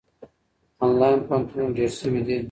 آنلاین پوهنتونونه ډېر سوي دي.